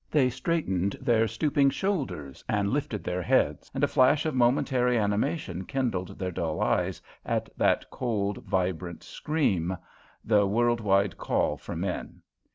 They straightened their stooping shoulders and lifted their heads, and a flash of momentary animation kindled their dull eyes at that cold, vibrant scream, the worldwide call for men.